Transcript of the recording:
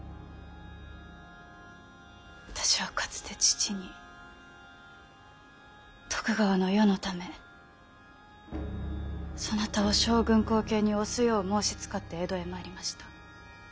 私はかつて父に徳川の世のためそなたを将軍後継に推すよう申しつかって江戸へ参りました。